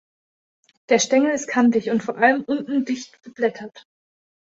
Der Stängel ist kantig und vor allen unten dicht beblättert.